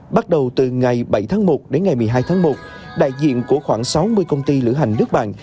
bắt đầu từ ngày bảy tháng một đến ngày một mươi hai tháng một đại diện của khoảng sáu mươi công ty lữ hành nước bạn